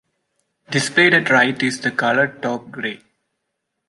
Displayed at right is the color taupe gray.